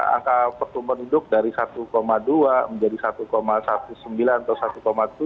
angka pertumbuhan penduduk dari satu dua menjadi satu sembilan belas atau satu tujuh